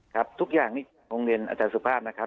ครับทุกอย่างนี้โรงเรียนอาจารย์สุภาพนะครับ